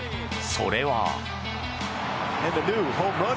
それは。